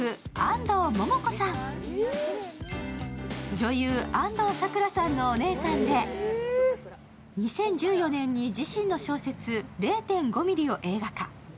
女優・安藤サクラさんのお姉さんで、２０１４年に自身の小説「０．５ミリ」を映画化。